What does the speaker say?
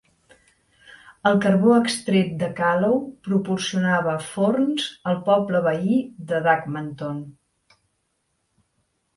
El carbó extret de Calow proporcionava forns al poble veí de Duckmanton.